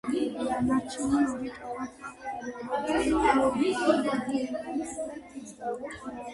დანარჩენი ორი ტბაა პუკაკი და ოჰაუ.